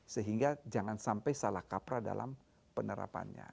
sehingga jangan sampai salah kapra dalam penerapannya